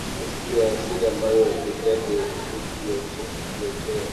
misitu ya asili ambayo miti yake hujiotea